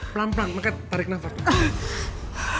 pelan pelan tarik nafas